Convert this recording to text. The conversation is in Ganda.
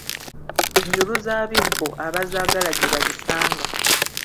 Njulu z’abibbo abazaagala gye bazisanga.